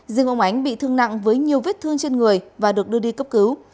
riêng ông ánh bị thương nặng với nhiều vết thương trên người và được đưa đi cấp cứu